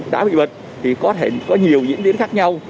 đã bị bệnh thì có thể có nhiều diễn tiến khác nhau